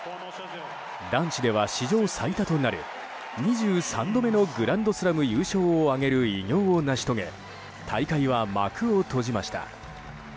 男子では史上最多となる２３度目のグランドスラム優勝を挙げる偉業を成し遂げ大会は幕を閉じました。